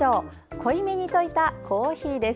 濃いめに溶いたコーヒーです。